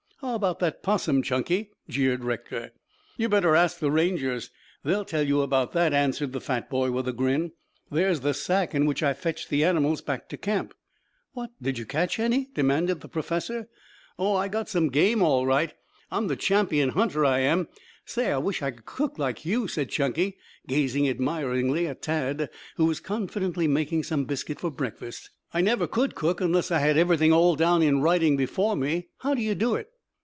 "How about that 'possum, Chunky?" jeered Rector. "You better ask the Rangers. They'll tell you about that," answered the fat boy with a grin. "There's the sack in which I fetched the animals back to camp." "What, did you catch any?" demanded the professor. "Oh, I got some game, all right. I'm the champion hunter, I am. Say, I wish I could cook like you," said Chunky gazing admiringly at Tad, who was confidently making some biscuit for breakfast. "I never could cook unless I had everything all down in writing before me. How do you do it?"